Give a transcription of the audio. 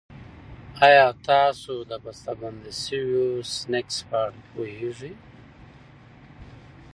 ایا تاسو د بستهبندي شويو سنکس په اړه پوهېږئ؟